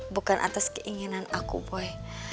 bukan atas keinginan aku boy